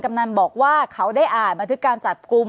กำนันบอกว่าเขาได้อ่านบันทึกการจับกลุ่ม